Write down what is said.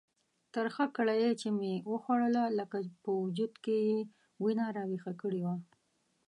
ترخه کړایي چې مې وخوړله لکه په وجود کې یې وینه راویښه کړې وه.